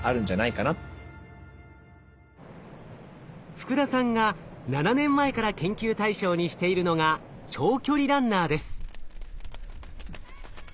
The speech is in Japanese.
福田さんが７年前から研究対象にしているのが長距離ランナーです。